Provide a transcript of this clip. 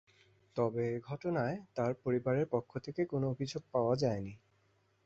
তবে এ ঘটনায় তার পরিবারের পক্ষ থেকেও কোনো অভিযোগ পাওয়া যায়নি।